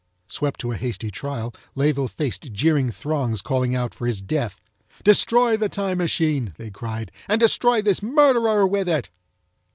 Swept to a hasty trial, Layeville faced jeering throngs calling out for his death. "Destroy the Time Machine!" they cried. "And destroy this MURDERER with it!"